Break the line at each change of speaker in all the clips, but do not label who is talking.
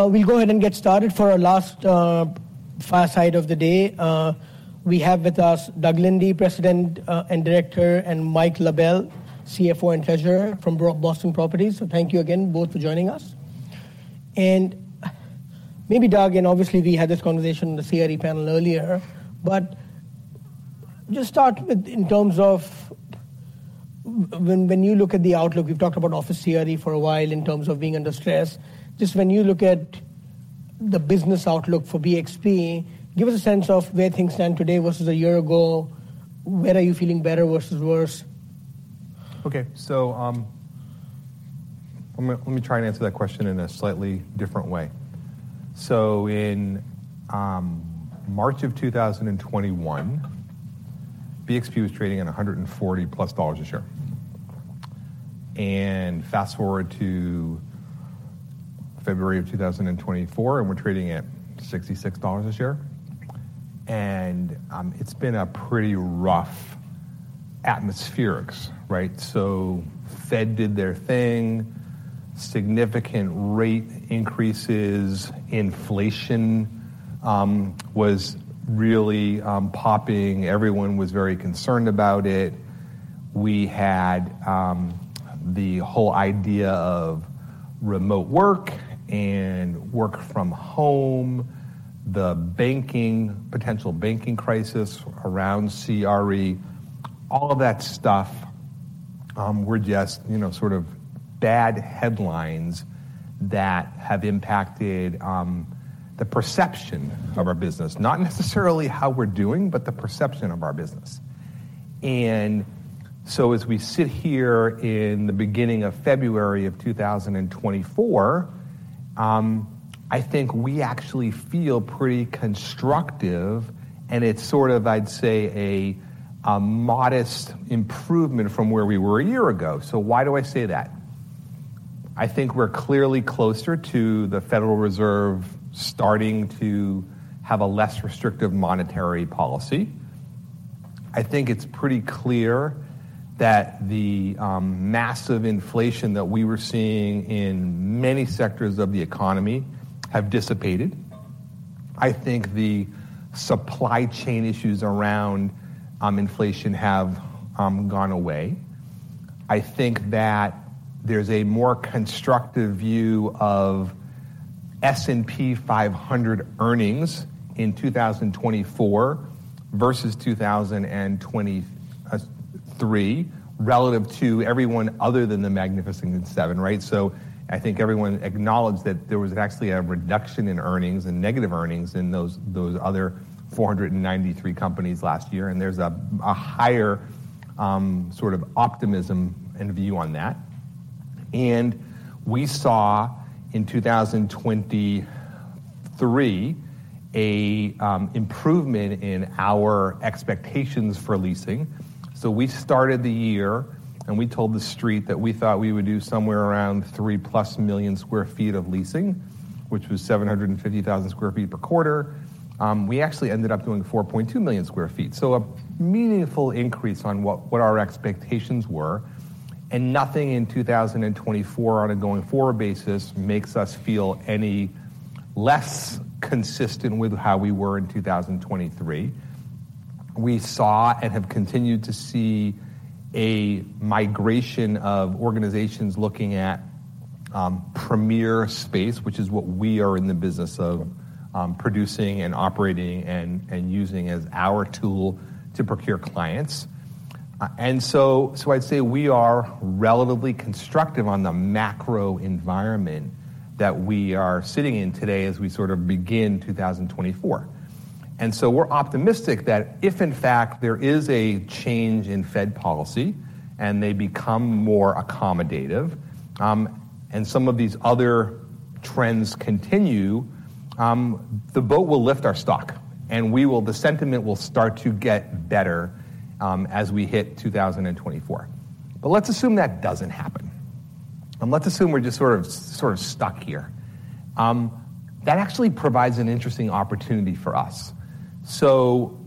We'll go ahead and get started for our last fireside of the day. We have with us Doug Linde, President and Director, and Mike LaBelle, CFO and Treasurer from BXP, Boston Properties. So thank you again both for joining us. Maybe Doug, and obviously we had this conversation in the CRE panel earlier, but just start with in terms of when, when you look at the outlook, we've talked about office CRE for a while in terms of being under stress, just when you look at the business outlook for BXP, give us a sense of where things stand today versus a year ago. Where are you feeling better versus worse?
Okay. So, let me try and answer that question in a slightly different way. So in March of 2021, BXP was trading at $140+ a share. Fast forward to February of 2024, and we're trading at $66 a share. It's been a pretty rough atmospherics, right? So Fed did their thing, significant rate increases, inflation was really popping. Everyone was very concerned about it. We had the whole idea of remote work and work from home, the banking potential banking crisis around CRE, all of that stuff were just, you know, sort of bad headlines that have impacted the perception of our business, not necessarily how we're doing, but the perception of our business. So as we sit here in the beginning of February of 2024, I think we actually feel pretty constructive, and it's sort of, I'd say, a modest improvement from where we were a year ago. So why do I say that? I think we're clearly closer to the Federal Reserve starting to have a less restrictive monetary policy. I think it's pretty clear that the massive inflation that we were seeing in many sectors of the economy have dissipated. I think the supply chain issues around inflation have gone away. I think that there's a more constructive view of S&P 500 earnings in 2024 versus 2023 relative to everyone other than the Magnificent Seven, right? So I think everyone acknowledged that there was actually a reduction in earnings and negative earnings in those other 493 companies last year, and there's a higher, sort of optimism and view on that. And we saw in 2023 an improvement in our expectations for leasing. So we started the year, and we told the street that we thought we would do somewhere around 3+ million sq ft of leasing, which was 750,000 sq ft per quarter. We actually ended up doing 4.2 million sq ft, so a meaningful increase on what our expectations were. And nothing in 2024 on a going forward basis makes us feel any less consistent with how we were in 2023. We saw and have continued to see a migration of organizations looking at premier space, which is what we are in the business of, producing and operating and using as our tool to procure clients. So I'd say we are relatively constructive on the macro environment that we are sitting in today as we sort of begin 2024. So we're optimistic that if, in fact, there is a change in Fed policy and they become more accommodative, and some of these other trends continue, the boat will lift our stock, and the sentiment will start to get better, as we hit 2024. But let's assume that doesn't happen, and let's assume we're just sort of stuck here. That actually provides an interesting opportunity for us. So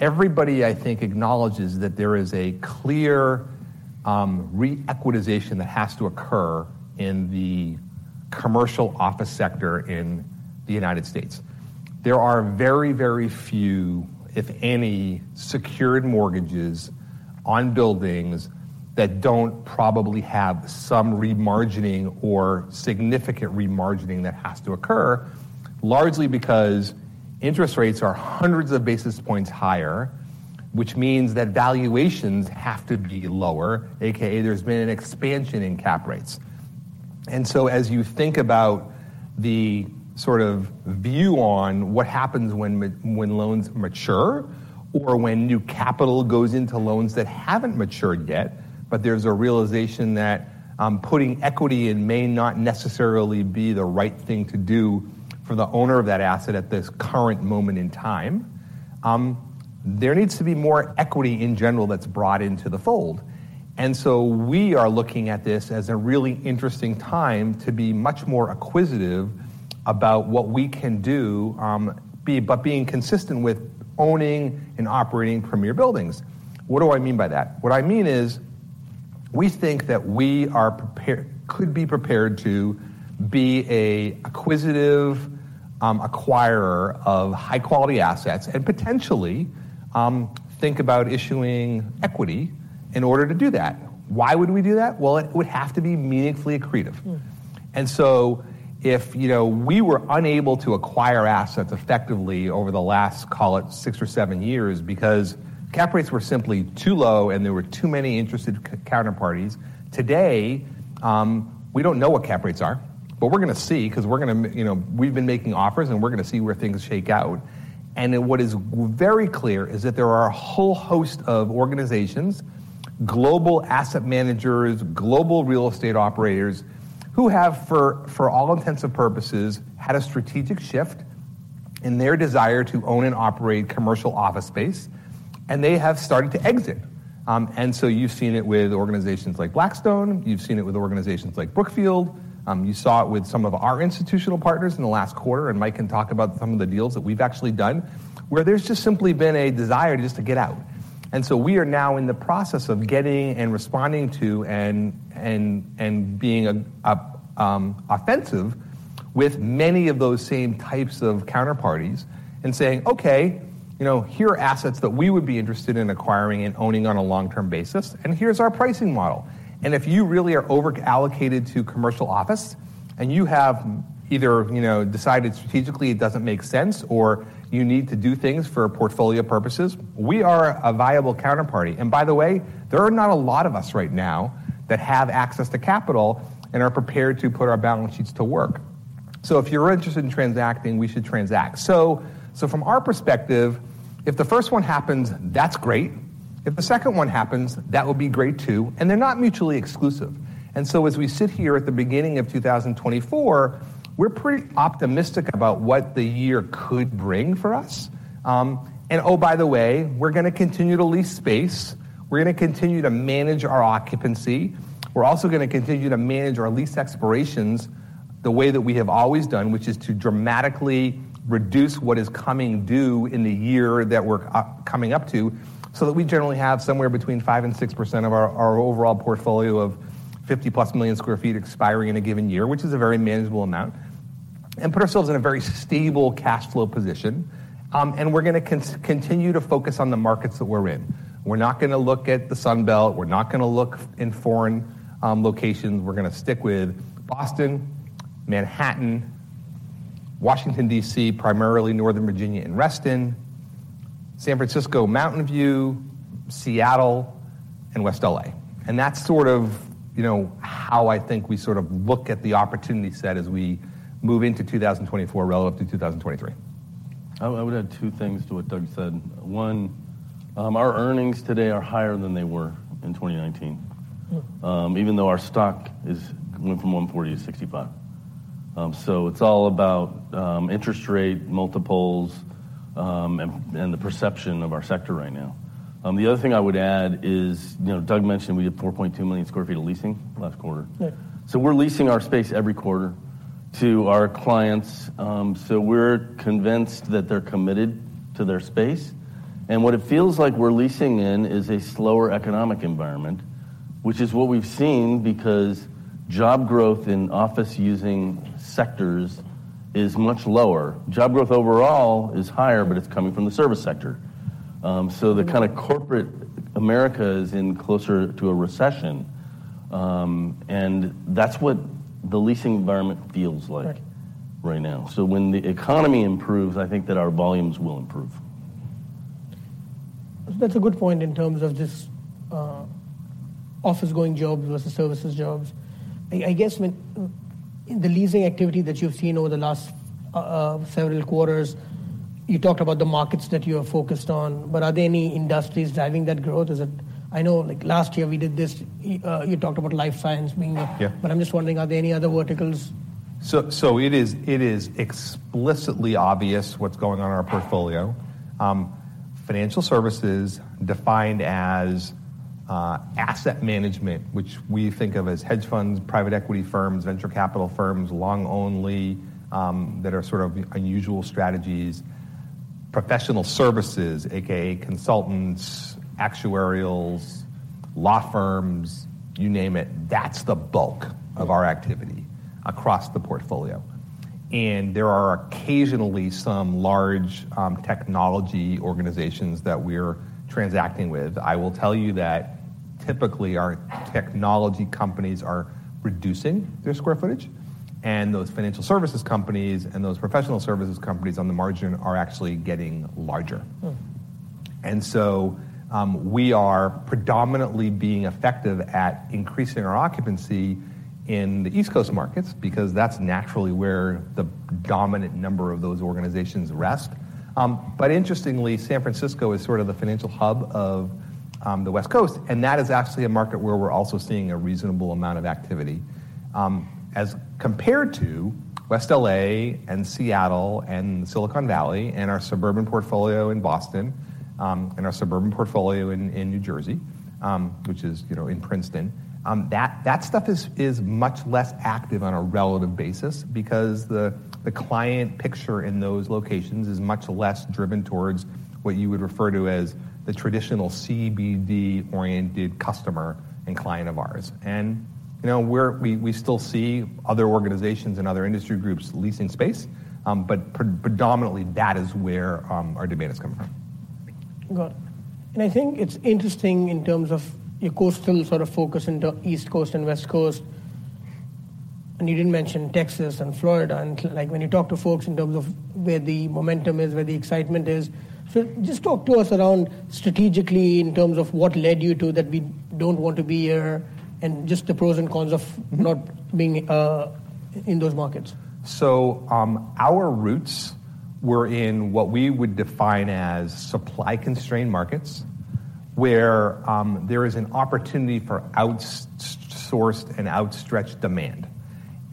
everybody, I think, acknowledges that there is a clear, re-equitization that has to occur in the commercial office sector in the United States. There are very, very few, if any, secured mortgages on buildings that don't probably have some remargining or significant remargining that has to occur, largely because interest rates are hundreds of basis points higher, which means that valuations have to be lower, a.k.a. there's been an expansion in cap rates. And so as you think about the sort of view on what happens when loans mature or when new capital goes into loans that haven't matured yet, but there's a realization that, putting equity in may not necessarily be the right thing to do for the owner of that asset at this current moment in time, there needs to be more equity in general that's brought into the fold. And so we are looking at this as a really interesting time to be much more acquisitive about what we can do, but being consistent with owning and operating premier buildings. What do I mean by that? What I mean is we think that we are prepared to be an acquisitive acquirer of high-quality assets and potentially think about issuing equity in order to do that. Why would we do that? Well, it would have to be meaningfully accretive. So if, you know, we were unable to acquire assets effectively over the last, call it, six or seven years because cap rates were simply too low and there were too many interested counterparties, today, we don't know what cap rates are, but we're going to see because we're going to, you know, we've been making offers, and we're going to see where things shake out. What is very clear is that there are a whole host of organizations, global asset managers, global real estate operators, who have, for all intents and purposes, had a strategic shift in their desire to own and operate commercial office space, and they have started to exit. So you've seen it with organizations like Blackstone. You've seen it with organizations like Brookfield. You saw it with some of our institutional partners in the last quarter, and Mike can talk about some of the deals that we've actually done where there's just simply been a desire just to get out. And so we are now in the process of getting and responding to and being offensive with many of those same types of counterparties and saying, "Okay, you know, here are assets that we would be interested in acquiring and owning on a long-term basis, and here's our pricing model. And if you really are overallocated to commercial office and you have either, you know, decided strategically it doesn't make sense or you need to do things for portfolio purposes, we are a viable counterparty." And by the way, there are not a lot of us right now that have access to capital and are prepared to put our balance sheets to work. So if you're interested in transacting, we should transact. So from our perspective, if the first one happens, that's great. If the second one happens, that would be great too, and they're not mutually exclusive. So as we sit here at the beginning of 2024, we're pretty optimistic about what the year could bring for us. Oh, by the way, we're going to continue to lease space. We're going to continue to manage our occupancy. We're also going to continue to manage our lease expirations the way that we have always done, which is to dramatically reduce what is coming due in the year that we're coming up to so that we generally have somewhere between 5%-6% of our overall portfolio of 50+ million sq ft expiring in a given year, which is a very manageable amount, and put ourselves in a very stable cash flow position. We're going to continue to focus on the markets that we're in. We're not going to look at the Sunbelt. We're not going to look in foreign locations. We're going to stick with Boston, Manhattan, Washington, D.C., primarily Northern Virginia and Reston, San Francisco, Mountain View, Seattle, and West L.A. And that's sort of, you know, how I think we sort of look at the opportunity set as we move into 2024 relative to 2023.
I would add two things to what Doug said. One, our earnings today are higher than they were in 2019, even though our stock is went from $140 to $65. So it's all about interest rate multiples and the perception of our sector right now. The other thing I would add is, you know, Doug mentioned we had 4.2 million sq ft of leasing last quarter.
Yeah.
So we're leasing our space every quarter to our clients. So we're convinced that they're committed to their space. And what it feels like we're leasing in is a slower economic environment, which is what we've seen because job growth in office-using sectors is much lower. Job growth overall is higher, but it's coming from the service sector. So the kind of corporate America is in closer to a recession. And that's what the leasing environment feels like.
Right.
Right now. So when the economy improves, I think that our volumes will improve.
That's a good point in terms of this, office-going jobs versus services jobs. I guess when in the leasing activity that you've seen over the last several quarters, you talked about the markets that you are focused on, but are there any industries driving that growth? Is it, I know, like, last year we did this. You talked about life science being a.
Yeah.
I'm just wondering, are there any other verticals?
So, it is explicitly obvious what's going on in our portfolio. Financial services defined as asset management, which we think of as hedge funds, private equity firms, venture capital firms, long-only, that are sort of unusual strategies, professional services, a.k.a. consultants, actuarials, law firms, you name it, that's the bulk of our activity across the portfolio. And there are occasionally some large technology organizations that we're transacting with. I will tell you that typically, our technology companies are reducing their square footage, and those financial services companies and those professional services companies on the margin are actually getting larger. And so, we are predominantly being effective at increasing our occupancy in the East Coast markets because that's naturally where the dominant number of those organizations rest. Interestingly, San Francisco is sort of the financial hub of the West Coast, and that is actually a market where we're also seeing a reasonable amount of activity. As compared to West L.A. and Seattle and Silicon Valley and our suburban portfolio in Boston, and our suburban portfolio in New Jersey, which is, you know, in Princeton, that stuff is much less active on a relative basis because the client picture in those locations is much less driven towards what you would refer to as the traditional CBD-oriented customer and client of ours. And, you know, we still see other organizations and other industry groups leasing space, but predominantly, that is where our demand is coming from.
Got it. I think it's interesting in terms of your coastal sort of focus into East Coast and West Coast, and you didn't mention Texas and Florida, and like when you talk to folks in terms of where the momentum is, where the excitement is, so just talk to us around strategically in terms of what led you to that we don't want to be here and just the pros and cons of not being in those markets.
So, our roots were in what we would define as supply-constrained markets where there is an opportunity for outsourced and outstretched demand.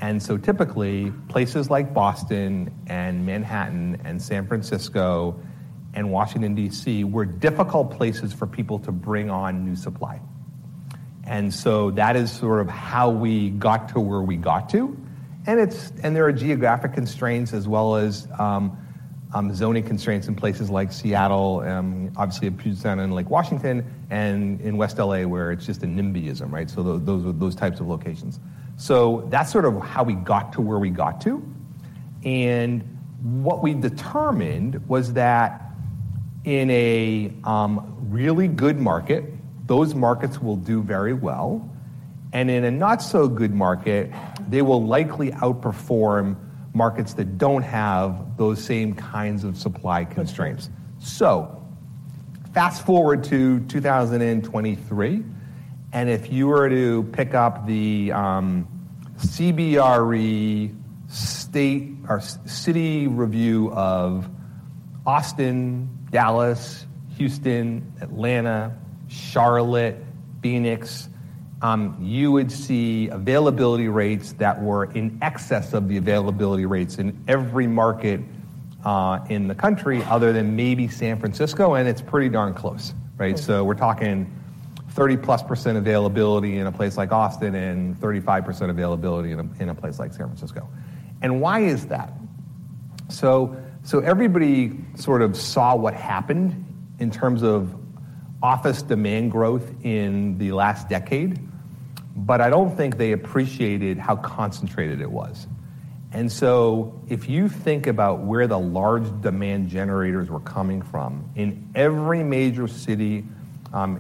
And so typically, places like Boston and Manhattan and San Francisco and Washington, D.C. were difficult places for people to bring on new supply. And so that is sort of how we got to where we got to. And there are geographic constraints as well as zoning constraints in places like Seattle, obviously in Puget Sound and Lake Washington, and in West L.A. where it's just a NIMBYism, right? So those are those types of locations. So that's sort of how we got to where we got to. And what we determined was that in a really good market, those markets will do very well, and in a not-so-good market, they will likely outperform markets that don't have those same kinds of supply constraints. So fast forward to 2023, and if you were to pick up the CBRE state or city review of Austin, Dallas, Houston, Atlanta, Charlotte, Phoenix, you would see availability rates that were in excess of the availability rates in every market, in the country other than maybe San Francisco, and it's pretty darn close, right? So we're talking 30%+ availability in a place like Austin and 35% availability in a place like San Francisco. Why is that? So everybody sort of saw what happened in terms of office demand growth in the last decade, but I don't think they appreciated how concentrated it was. So if you think about where the large demand generators were coming from, in every major city,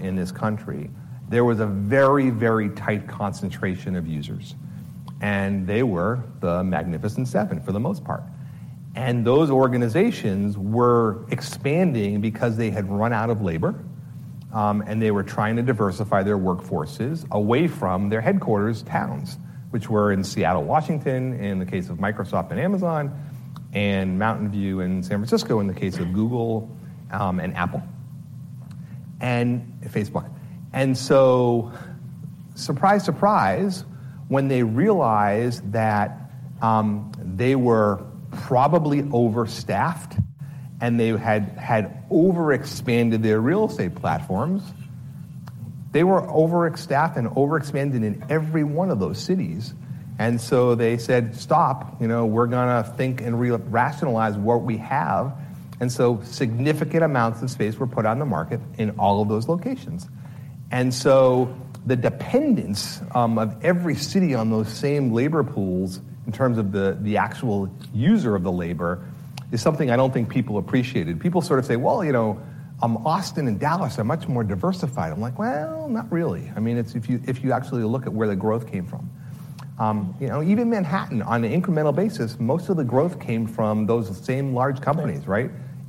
in this country, there was a very, very tight concentration of users, and they were the Magnificent Seven for the most part. Those organizations were expanding because they had run out of labor, and they were trying to diversify their workforces away from their headquarters towns, which were in Seattle, Washington, in the case of Microsoft and Amazon, and Mountain View in San Francisco in the case of Google, Apple, and Facebook. So surprise, surprise, when they realized that, they were probably overstaffed and they had overexpanded their real estate platforms; they were overstaffed and overexpanded in every one of those cities. So they said, "Stop. You know, we're going to think and re-rationalize what we have." So significant amounts of space were put on the market in all of those locations. So the dependence of every city on those same labor pools in terms of the actual user of the labor is something I don't think people appreciated. People sort of say, "Well, you know, Austin and Dallas are much more diversified." I'm like, "Well, not really." I mean, it's if you actually look at where the growth came from. You know, even Manhattan, on an incremental basis, most of the growth came from those same large companies,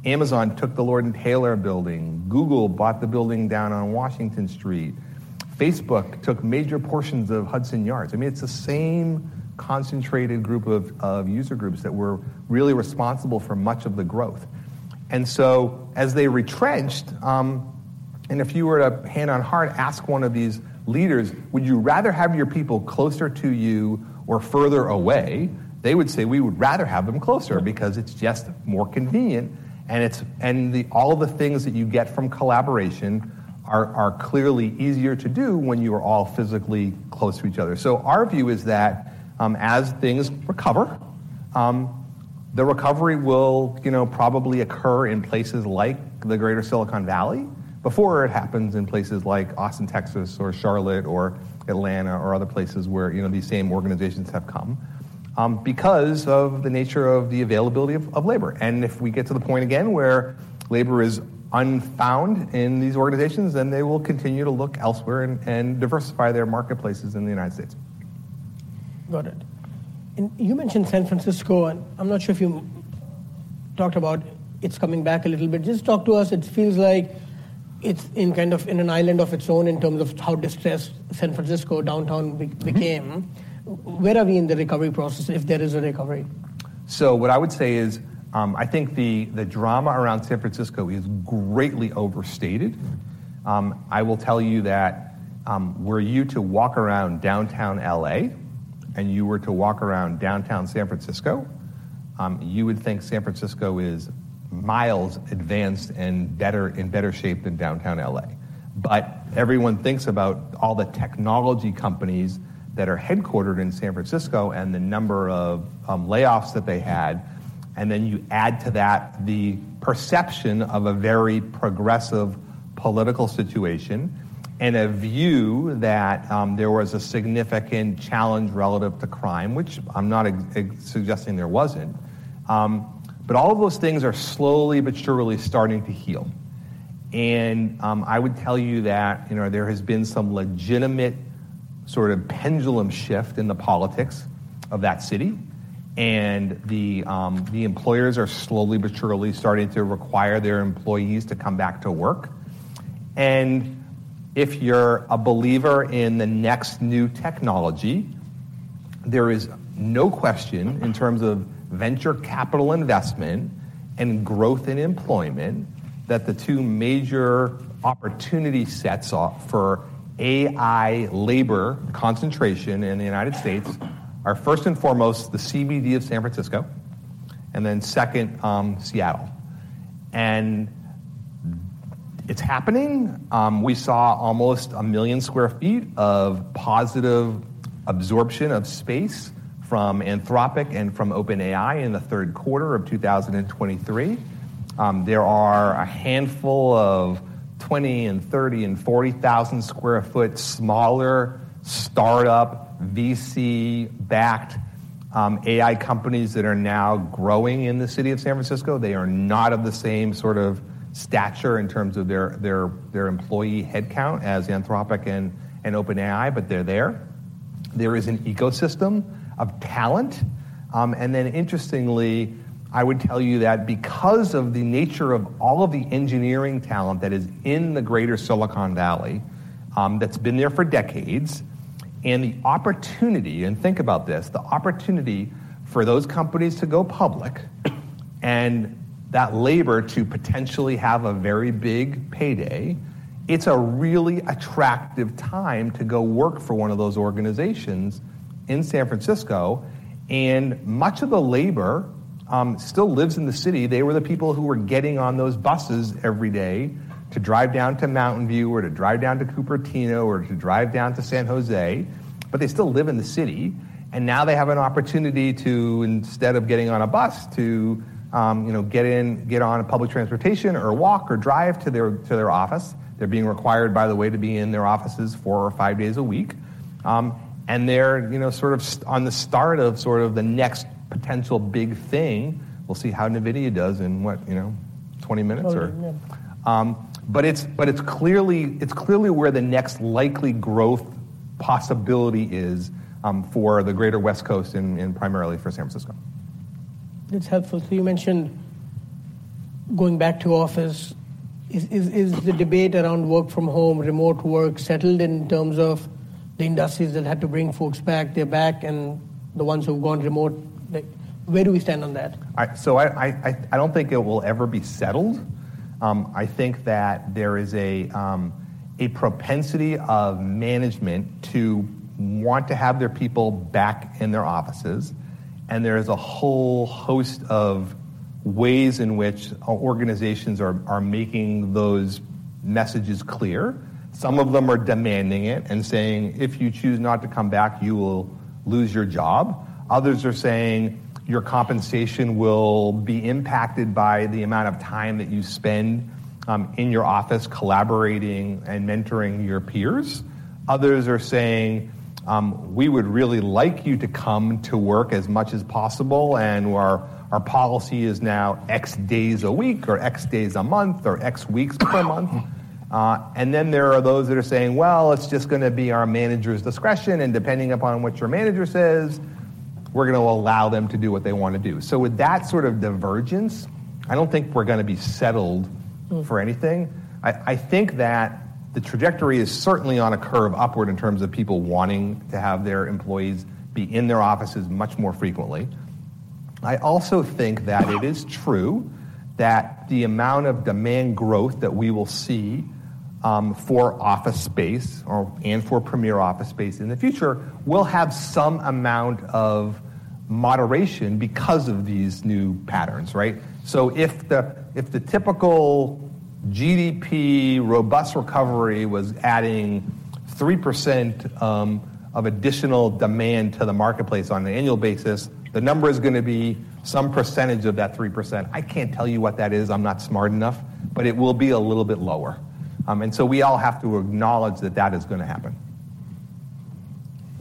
right? Amazon took the Lord & Taylor building. Google bought the building down on Washington Street. Facebook took major portions of Hudson Yards. I mean, it's the same concentrated group of user groups that were really responsible for much of the growth. And so as they retrenched, and if you were to hand on heart ask one of these leaders, "Would you rather have your people closer to you or further away?" they would say, "We would rather have them closer because it's just more convenient, and it's all of the things that you get from collaboration are clearly easier to do when you are all physically close to each other." So our view is that, as things recover, the recovery will, you know, probably occur in places like the greater Silicon Valley before it happens in places like Austin, Texas, or Charlotte, or Atlanta, or other places where, you know, these same organizations have come, because of the nature of the availability of labor. If we get to the point again where labor is unbound in these organizations, then they will continue to look elsewhere and diversify their marketplaces in the United States.
Got it. And you mentioned San Francisco, and I'm not sure if you talked about its coming back a little bit. Just talk to us. It feels like it's kind of in an island of its own in terms of how distressed San Francisco downtown became. Where are we in the recovery process if there is a recovery?
So what I would say is, I think the drama around San Francisco is greatly overstated. I will tell you that, were you to walk around downtown L.A. and you were to walk around downtown San Francisco, you would think San Francisco is miles advanced and better in better shape than downtown L.A. But everyone thinks about all the technology companies that are headquartered in San Francisco and the number of layoffs that they had, and then you add to that the perception of a very progressive political situation and a view that there was a significant challenge relative to crime, which I'm not suggesting there wasn't. But all of those things are slowly but surely starting to heal. I would tell you that, you know, there has been some legitimate sort of pendulum shift in the politics of that city, and the employers are slowly but surely starting to require their employees to come back to work. If you're a believer in the next new technology, there is no question in terms of venture capital investment and growth in employment that the two major opportunity sets for AI labor concentration in the United States are first and foremost the CBD of San Francisco and then second, Seattle. It's happening. We saw almost 1 million sq ft of positive absorption of space from Anthropic and from OpenAI in the third quarter of 2023. There are a handful of 20,000, 30,000, and 40,000-sq ft smaller startup VC-backed AI companies that are now growing in the city of San Francisco. They are not of the same sort of stature in terms of their employee headcount as Anthropic and OpenAI, but they're there. There is an ecosystem of talent. And then interestingly, I would tell you that because of the nature of all of the engineering talent that is in the greater Silicon Valley, that's been there for decades and the opportunity and think about this, the opportunity for those companies to go public and that labor to potentially have a very big payday, it's a really attractive time to go work for one of those organizations in San Francisco. And much of the labor still lives in the city. They were the people who were getting on those buses every day to drive down to Mountain View or to drive down to Cupertino or to drive down to San Jose, but they still live in the city. Now they have an opportunity to, instead of getting on a bus, to, you know, get in get on public transportation or walk or drive to their to, their office. They're being required, by the way, to be in their offices four or five days a week. And they're, you know, sort of on the start of sort of the next potential big thing. We'll see how NVIDIA does in what, you know, 20 minutes or...
30 minutes.
But it's clearly where the next likely growth possibility is, for the greater West Coast and primarily for San Francisco.
That's helpful. So you mentioned going back to office. Is the debate around work from home, remote work, settled in terms of the industries that had to bring folks back? They're back, and the ones who've gone remote, where do we stand on that?
So I don't think it will ever be settled. I think that there is a propensity of management to want to have their people back in their offices, and there is a whole host of ways in which organizations are making those messages clear. Some of them are demanding it and saying, "If you choose not to come back, you will lose your job." Others are saying, "Your compensation will be impacted by the amount of time that you spend, in your office collaborating and mentoring your peers." Others are saying, "We would really like you to come to work as much as possible, and our, our policy is now X days a week or X days a month or X weeks per month." And then there are those that are saying, "Well, it's just going to be our manager's discretion, and depending upon what your manager says, we're going to allow them to do what they want to do." So with that sort of divergence, I don't think we're going to be settled for anything. I think that the trajectory is certainly on a curve upward in terms of people wanting to have their employees be in their offices much more frequently. I also think that it is true that the amount of demand growth that we will see, for office space or for premier office space in the future will have some amount of moderation because of these new patterns, right? So if the typical GDP robust recovery was adding 3% of additional demand to the marketplace on an annual basis, the number is going to be some percentage of that 3%. I can't tell you what that is. I'm not smart enough, but it will be a little bit lower, and so we all have to acknowledge that that is going to happen.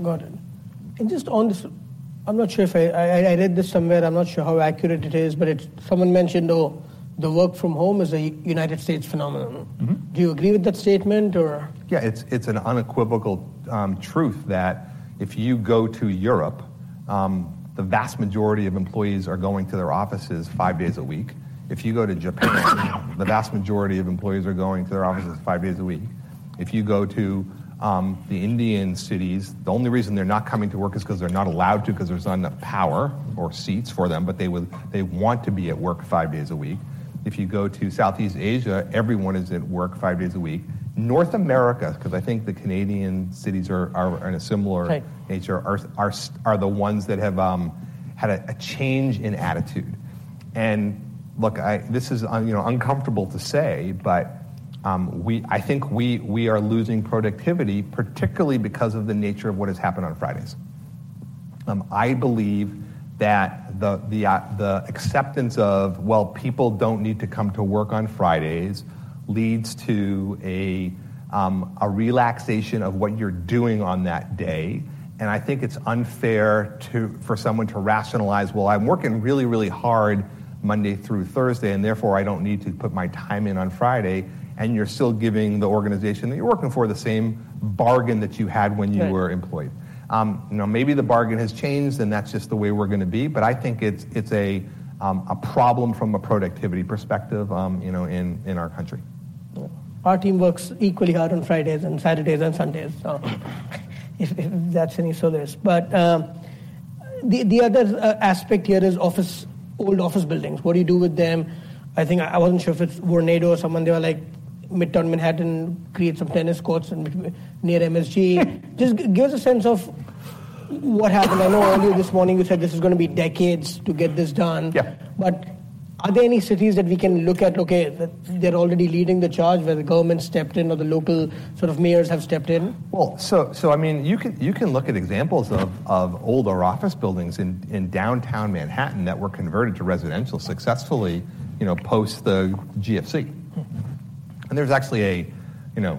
Got it. Just on this, I'm not sure if I read this somewhere. I'm not sure how accurate it is, but it's someone mentioned, "Oh, the work from home is a United States phenomenon." Do you agree with that statement, or?
Yeah. It's an unequivocal truth that if you go to Europe, the vast majority of employees are going to their offices five days a week. If you go to Japan, the vast majority of employees are going to their offices five days a week. If you go to the Indian cities, the only reason they're not coming to work is because they're not allowed to because there's not enough power or seats for them, but they would they want to be at work five days a week. If you go to Southeast Asia, everyone is at work five days a week. North America because I think the Canadian cities are in a similar nature are the ones that have had a change in attitude. And look, this is, you know, uncomfortable to say, but I think we are losing productivity, particularly because of the nature of what has happened on Fridays. I believe that the acceptance of, "Well, people don't need to come to work on Fridays," leads to a relaxation of what you're doing on that day. And I think it's unfair for someone to rationalize, "Well, I'm working really, really hard Monday through Thursday, and therefore I don't need to put my time in on Friday," and you're still giving the organization that you're working for the same bargain that you had when you were employed. Now maybe the bargain has changed, and that's just the way we're going to be, but I think it's a problem from a productivity perspective, you know, in our country.
Our team works equally hard on Fridays and Saturdays and Sundays, so if that's any solace. But the other aspect here is office old office buildings. What do you do with them? I think I wasn't sure if it's Vornado or someone. They were like Midtown Manhattan, create some tennis courts near MSG. Just give us a sense of what happened. I know earlier this morning you said this is going to be decades to get this done.
Yeah.
But are there any cities that we can look at, "Okay, they're already leading the charge," where the government stepped in or the local sort of mayors have stepped in?
Well, I mean, you can look at examples of older office buildings in downtown Manhattan that were converted to residential successfully, you know, post the GFC. And there's actually a, you know,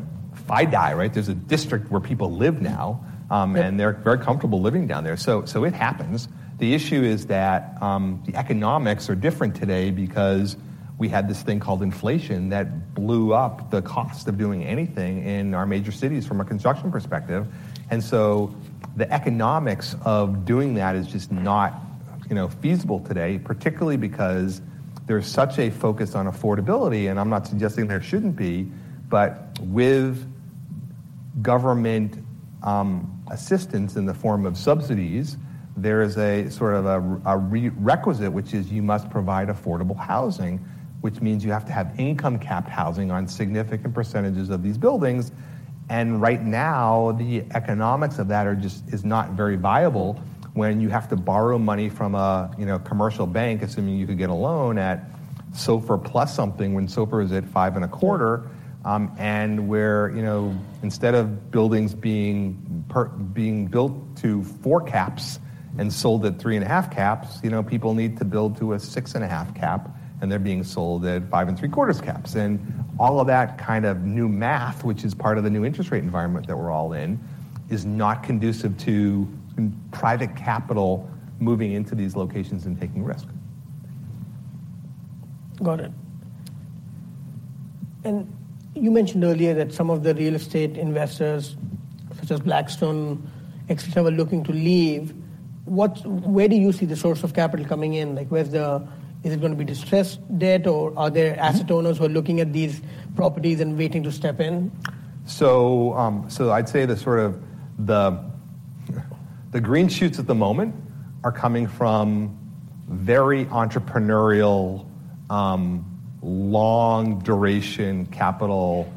FiDi, right? There's a district where people live now, and they're very comfortable living down there. So it happens. The issue is that the economics are different today because we had this thing called inflation that blew up the cost of doing anything in our major cities from a construction perspective. So the economics of doing that is just not, you know, feasible today, particularly because there's such a focus on affordability, and I'm not suggesting there shouldn't be, but with government assistance in the form of subsidies, there is a sort of requisite, which is you must provide affordable housing, which means you have to have income-capped housing on significant percentages of these buildings. Right now, the economics of that are just not very viable when you have to borrow money from a, you know, commercial bank, assuming you could get a loan at SOFR plus something when SOFR is at 5.25%, and where, you know, instead of buildings being built to 4% caps and sold at 3.5% caps, you know, people need to build to a 6.5% cap, and they're being sold at 5.75% caps. And all of that kind of new math, which is part of the new interest rate environment that we're all in, is not conducive to private capital moving into these locations and taking risk.
Got it. And you mentioned earlier that some of the real estate investors, such as Blackstone, etc., were looking to leave. What's where do you see the source of capital coming in? Like, where's it going to be distressed debt, or are there asset owners who are looking at these properties and waiting to step in?
So I'd say the sort of green shoots at the moment are coming from very entrepreneurial, long-duration capital,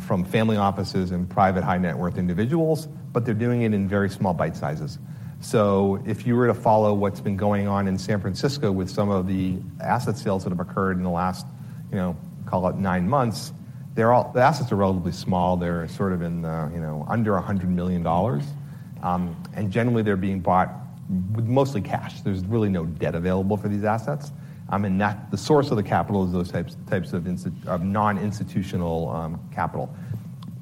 from family offices and private high-net-worth individuals, but they're doing it in very small bite sizes. So if you were to follow what's been going on in San Francisco with some of the asset sales that have occurred in the last, you know, call it nine months, all the assets are relatively small. They're sort of, you know, under $100 million. And generally, they're being bought with mostly cash. There's really no debt available for these assets. And the source of the capital is those types of institutional capital.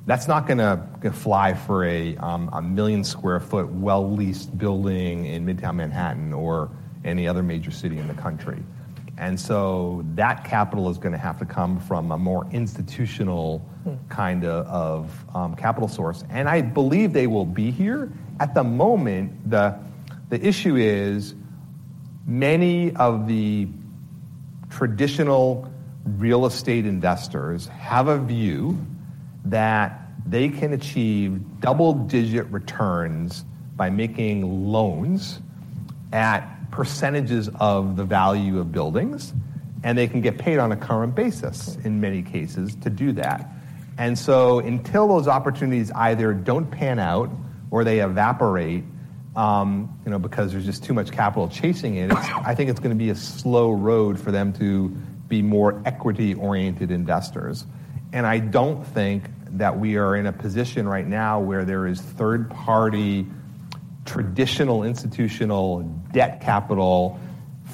That's not going to fly for a 1 million sq ft well-leased building in Midtown Manhattan or any other major city in the country. And so that capital is going to have to come from a more institutional kind of capital source. I believe they will be here. At the moment, the issue is many of the traditional real estate investors have a view that they can achieve double-digit returns by making loans at percentages of the value of buildings, and they can get paid on a current basis in many cases to do that. So until those opportunities either don't pan out or they evaporate, you know, because there's just too much capital chasing it, I think it's going to be a slow road for them to be more equity-oriented investors. I don't think that we are in a position right now where there is third-party traditional institutional debt capital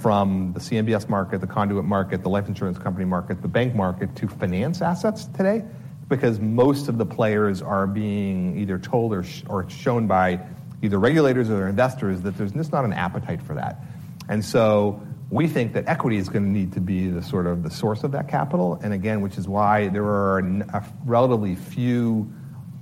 from the CMBS market, the conduit market, the life insurance company market, the bank market to finance assets today because most of the players are being either told or shown by either regulators or their investors that there's just not an appetite for that. And so we think that equity is going to need to be the sort of source of that capital, and again, which is why there are relatively few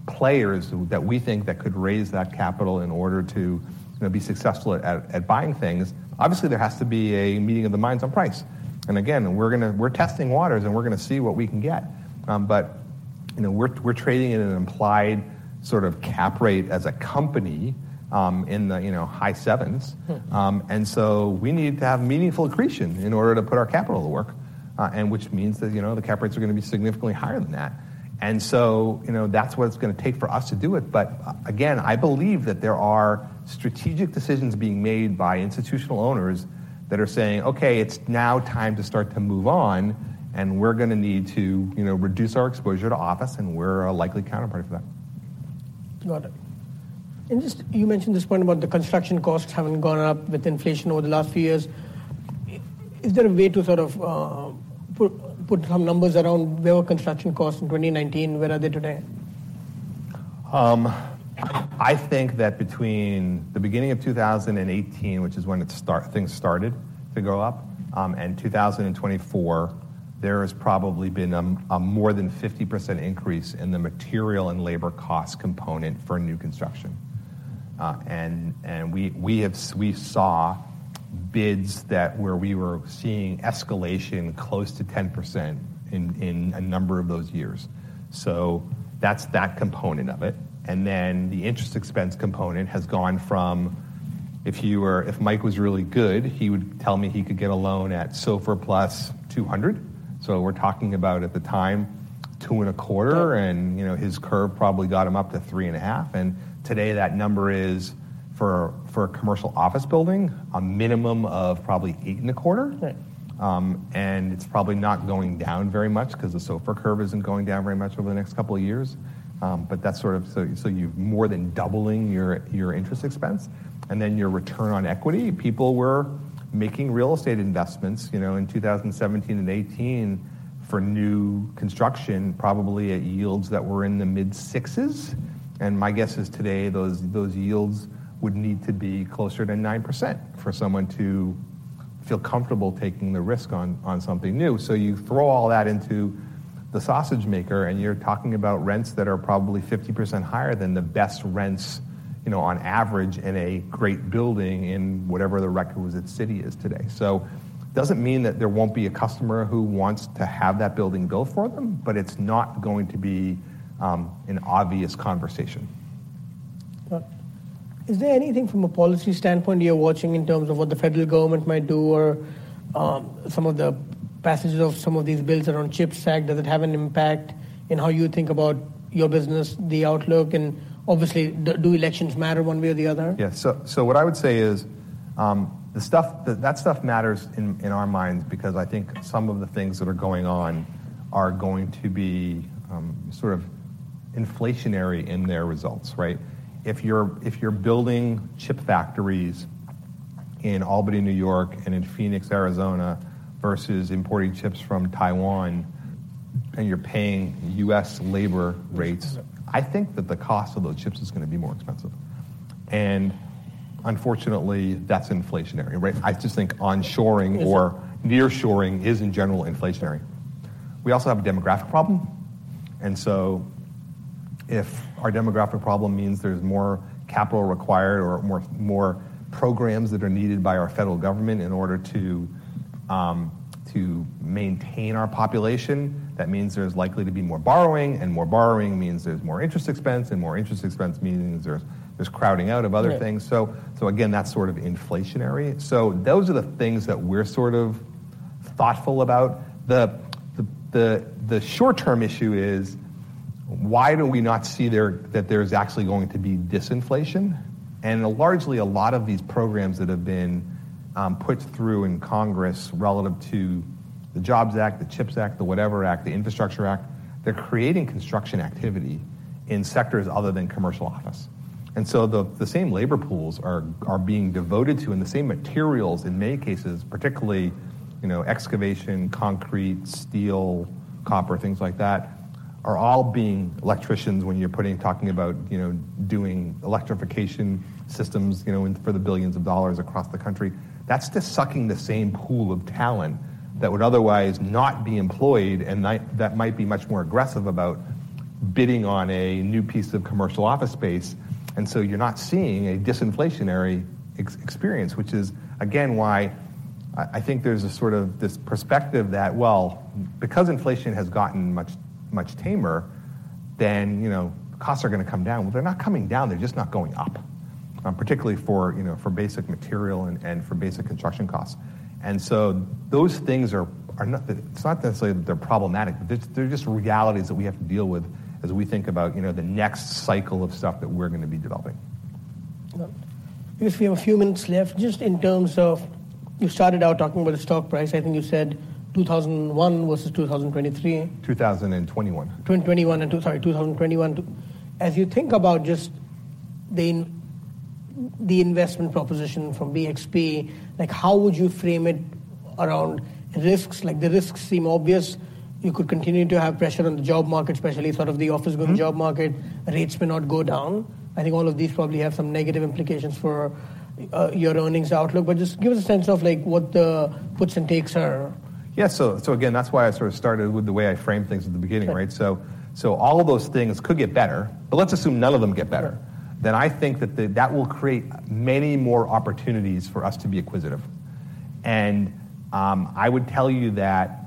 players that we think that could raise that capital in order to, you know, be successful at buying things. Obviously, there has to be a meeting of the minds on price. And again, we're going to test the waters, and we're going to see what we can get. But, you know, we're trading it at an implied sort of cap rate as a company, in the you know, high sevens. And so we need to have meaningful accretion in order to put our capital to work, and which means that, you know, the cap rates are going to be significantly higher than that. And so, you know, that's what it's going to take for us to do it. But again, I believe that there are strategic decisions being made by institutional owners that are saying, "Okay, it's now time to start to move on, and we're going to need to, you know, reduce our exposure to office, and we're a likely counterparty for that.
Got it. And just, you mentioned this point about the construction costs have gone up with inflation over the last few years. Is there a way to sort of put some numbers around where were construction costs in 2019? Where are they today?
I think that between the beginning of 2018, which is when it started things started to go up, and 2024, there has probably been a more than 50% increase in the material and labor cost component for new construction. And we saw bids that where we were seeing escalation close to 10% in a number of those years. So that's that component of it. And then the interest expense component has gone from if Mike was really good, he would tell me he could get a loan at SOFR plus 200. So we're talking about at the time 2.25%, and you know, his curve probably got him up to 3.5%. And today, that number is for a commercial office building, a minimum of probably 8.25%. It's probably not going down very much because the SOFR curve isn't going down very much over the next couple of years. But that's sort of, so you're more than doubling your interest expense. And then your return on equity, people were making real estate investments, you know, in 2017 and 2018 for new construction probably at yields that were in the mid-6s. And my guess is today, those yields would need to be closer to 9% for someone to feel comfortable taking the risk on something new. So you throw all that into the sausage maker, and you're talking about rents that are probably 50% higher than the best rents, you know, on average in a great building in whatever the record was at city is today. It doesn't mean that there won't be a customer who wants to have that building built for them, but it's not going to be an obvious conversation.
Got it. Is there anything from a policy standpoint you're watching in terms of what the federal government might do, or, some of the passages of some of these bills around chips? Does it have an impact in how you think about your business, the outlook? And obviously, do elections matter one way or the other?
Yeah. So what I would say is, the stuff that stuff matters in our minds because I think some of the things that are going on are going to be sort of inflationary in their results, right? If you're building chip factories in Albany, New York, and in Phoenix, Arizona, versus importing chips from Taiwan, and you're paying U.S. labor rates, I think that the cost of those chips is going to be more expensive. And unfortunately, that's inflationary, right? I just think onshoring or nearshoring is in general inflationary. We also have a demographic problem. And so if our demographic problem means there's more capital required or more programs that are needed by our federal government in order to maintain our population, that means there's likely to be more borrowing, and more borrowing means there's more interest expense, and more interest expense means there's crowding out of other things. So again, that's sort of inflationary. So those are the things that we're sort of thoughtful about. The short-term issue is why do we not see there that there's actually going to be disinflation? And largely, a lot of these programs that have been put through in Congress relative to the Jobs Act, the CHIPS Act, the Whatever Act, the Infrastructure Act, they're creating construction activity in sectors other than commercial office. And so the same labor pools are being devoted to, and the same materials in many cases, particularly, you know, excavation, concrete, steel, copper, things like that, are all being. Electricians, when you're talking about, you know, doing electrification systems, you know, for the billions of dollars across the country. That's just sucking the same pool of talent that would otherwise not be employed, and that might be much more aggressive about bidding on a new piece of commercial office space. And so you're not seeing a disinflationary experience, which is, again, why I think there's a sort of this perspective that, well, because inflation has gotten much, much tamer, then, you know, costs are going to come down. Well, they're not coming down. They're just not going up, particularly for, you know, for basic material and for basic construction costs. So those things are not. It's not necessarily that they're problematic, but they're just realities that we have to deal with as we think about, you know, the next cycle of stuff that we're going to be developing.
Got it. I guess we have a few minutes left. Just in terms of you started out talking about the stock price. I think you said 2001 versus 2023.
2021.
2021 and sorry, 2021. As you think about just the investment proposition from BXP, like, how would you frame it around risks? Like, the risks seem obvious. You could continue to have pressure on the job market, especially sort of the office-going job market. Rates may not go down. I think all of these probably have some negative implications for your earnings outlook. But just give us a sense of, like, what the puts and takes are.
Yeah. So, so again, that's why I sort of started with the way I framed things at the beginning, right? So, so all of those things could get better, but let's assume none of them get better. Then I think that that will create many more opportunities for us to be acquisitive. And, I would tell you that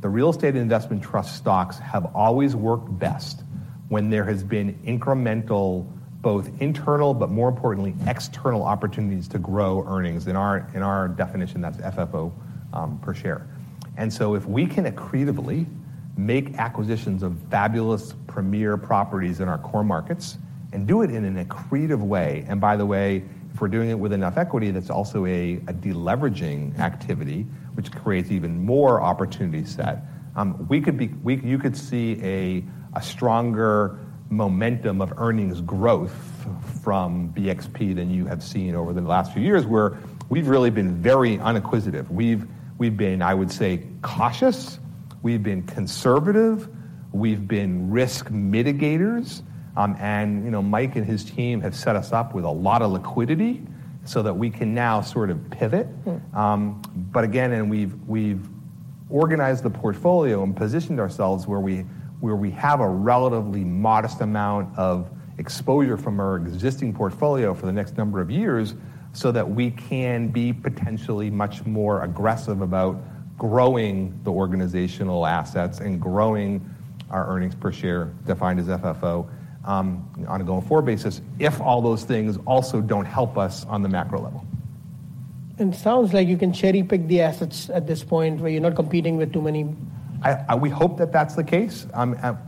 the real estate investment trust stocks have always worked best when there has been incremental, both internal but more importantly, external opportunities to grow earnings. In our definition, that's FFO per share. So if we can accretively make acquisitions of fabulous premier properties in our core markets and do it in an accretive way, and by the way, if we're doing it with enough equity, that's also a deleveraging activity, which creates even more opportunity set, you could see a stronger momentum of earnings growth from BXP than you have seen over the last few years where we've really been very unaggressive. We've been, I would say, cautious. We've been conservative. We've been risk mitigators. And, you know, Mike and his team have set us up with a lot of liquidity so that we can now sort of pivot. But again, we've organized the portfolio and positioned ourselves where we have a relatively modest amount of exposure from our existing portfolio for the next number of years so that we can be potentially much more aggressive about growing the organizational assets and growing our earnings per share defined as FFO on a going forward basis if all those things also don't help us on the macro level.
It sounds like you can cherry-pick the assets at this point where you're not competing with too many.
We hope that that's the case.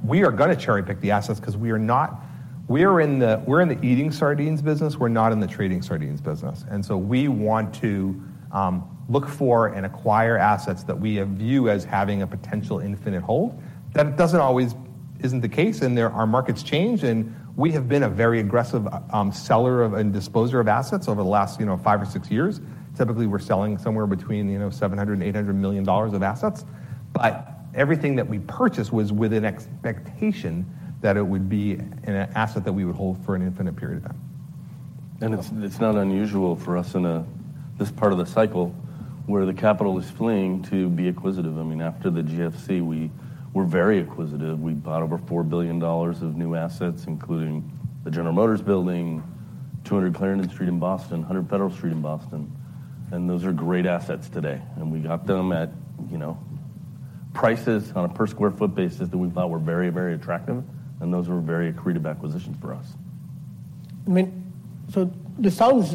We are going to cherry-pick the assets because we are not in the eating sardines business. We're not in the trading sardines business. So we want to look for and acquire assets that we view as having a potential infinite hold. That isn't always the case. Our markets change. We have been a very aggressive seller of and disposer of assets over the last, you know, five or six years. Typically, we're selling somewhere between, you know, $700 million and $800 million of assets. But everything that we purchased was with an expectation that it would be an asset that we would hold for an infinite period of time.
And it's not unusual for us in this part of the cycle where the capital is fleeing to be acquisitive. I mean, after the GFC, we were very acquisitive. We bought over $4 billion of new assets, including the General Motors Building, 200 Clarendon Street in Boston, 100 Federal Street in Boston. And those are great assets today. And we got them at, you know, prices on a per sq ft basis that we thought were very, very attractive. And those were very accretive acquisitions for us.
I mean, so this sounds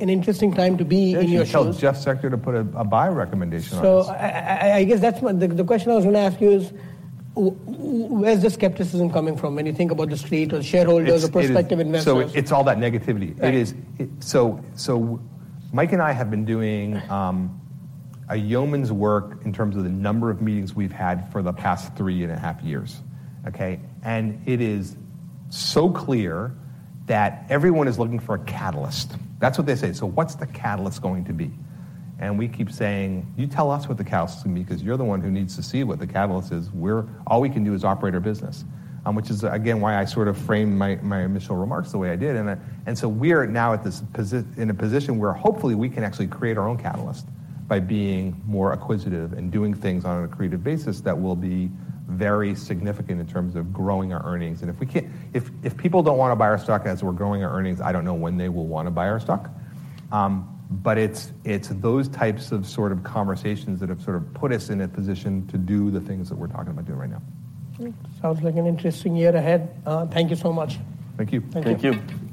an interesting time to be in your shoes.
Should we tell Jeff Spector to put a buy recommendation on us?
So I guess that's the question I was going to ask you is, where's the skepticism coming from when you think about the street or the shareholders or prospective investors?
It's so, it's all that negativity. It is so. So Mike and I have been doing a yeoman's work in terms of the number of meetings we've had for the past three and a half years, okay? It is so clear that everyone is looking for a catalyst. That's what they say. So what's the catalyst going to be? And we keep saying, "You tell us what the catalyst is going to be because you're the one who needs to see what the catalyst is. We're all we can do is operate our business," which is, again, why I sort of framed my initial remarks the way I did. So we are now at this position where hopefully, we can actually create our own catalyst by being more acquisitive and doing things on an accretive basis that will be very significant in terms of growing our earnings. And if we can't, if people don't want to buy our stock as we're growing our earnings, I don't know when they will want to buy our stock. But it's those types of sort of conversations that have sort of put us in a position to do the things that we're talking about doing right now.
All right. Sounds like an interesting year ahead. Thank you so much.
Thank you.
Thank you.